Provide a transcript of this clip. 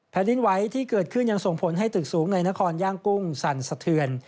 ดินไหวที่เกิดขึ้นยังส่งผลให้ตึกสูงในนครย่างกุ้งสั่นสะเทือน